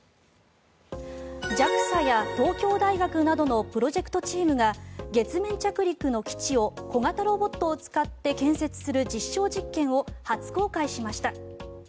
ＪＡＸＡや東京大学などのプロジェクトチームが月面着陸の基地を小型ロボットを使って建設する実証実験を初公開しました。